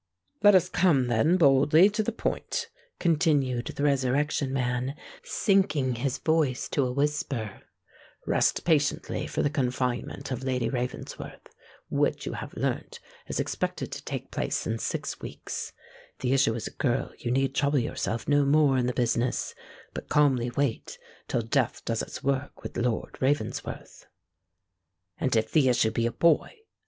"Let us come, then, boldly to the point," continued the Resurrection Man, sinking his voice to a whisper: "rest patiently for the confinement of Lady Ravensworth, which, you have learnt, is expected to take place in six weeks;—if the issue is a girl, you need trouble yourself no more in the business, but calmly wait till death does its work with Lord Ravensworth." "And if the issue be a boy?"